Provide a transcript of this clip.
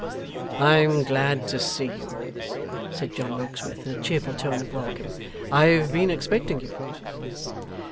'I am glad to see you,' said John Rokesmith, in a cheerful tone of welcome. 'I have been expecting you.